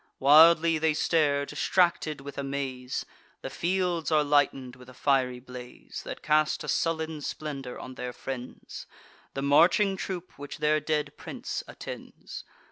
Wildly they stare, distracted with amaze: The fields are lighten'd with a fiery blaze, That cast a sullen splendour on their friends, The marching troop which their dead prince attends.